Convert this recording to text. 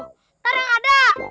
ntar yang ada